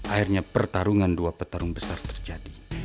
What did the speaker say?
akhirnya pertarungan dua petarung besar terjadi